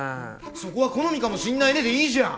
そこは好みかもしんないねでいいじゃん！